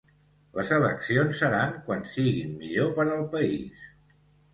Les eleccions seran quan siguin millor per al país.